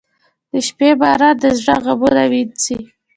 • د شپې باران د زړه غمونه وینځي.